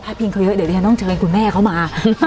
ถ้าพิงเขาเยอะเดี๋ยวแน็ต้องเจอลายคุณแม่เขามา